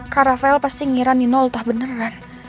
kak rafael pasti ngira nino utah beneran